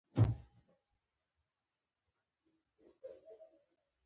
هغې وویل: ګرانه، هره شیبه د ګرفتارۍ امکان شته.